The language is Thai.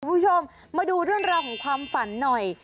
คุณผู้ชมมาดูเรื่องราวของความฝันหน่อย